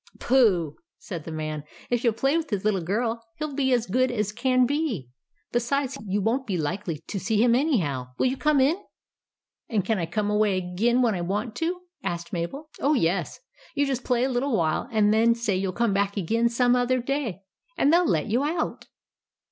" Pooh !" said the man, " if you '11 play with his little girl, he '11 be as good as can be ; and besides you won't be likely to see him anyhow. Will you come in ?" "And can I come away again when I want to?" asked Mabel. 166 THE ADVENTURES OF MABEL " Oh, yes ! You just play a little while, and then say you '11 come back again some other day, and they '11 let you out."